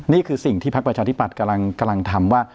นี่คือสิ่งที่พักประชาธิปัตย์กำลังทำว่า